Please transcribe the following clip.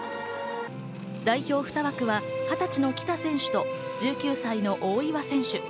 代表ふた枠は二十歳の喜田選手と１９歳の大岩選手。